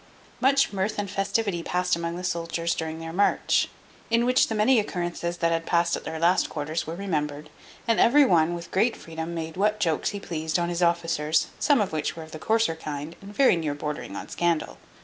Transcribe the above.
Much mirth and festivity passed among the soldiers during their march. In which the many occurrences that had passed at their last quarters were remembered, and every one, with great freedom, made what jokes he pleased on his officers, some of which were of the coarser kind, and very near bordering on scandal.